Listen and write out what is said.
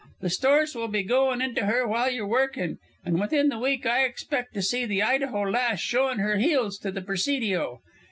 The stores will be goin' into her while ye're workin', and within the week I expect to see the Idaho Lass showing her heels to the Presidio.